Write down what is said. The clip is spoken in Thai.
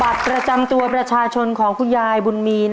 บัตรประจำตัวประชาชนของคุณยายบุญมี